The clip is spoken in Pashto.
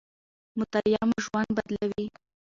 مطالعه مو ژوند بدلوي.